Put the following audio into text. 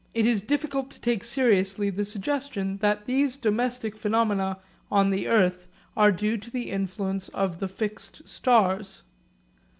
It is difficult to take seriously the suggestion that these domestic phenomena on the earth are due to the influence of the fixed stars.